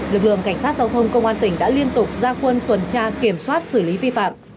lực lượng cảnh sát giao thông công an tỉnh đã liên tục gia quân tuần tra kiểm soát xử lý vi phạm